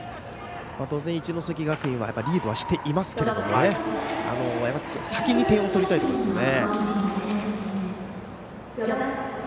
当然、一関学院はリードはしていますけども先に点を取りたいところですね。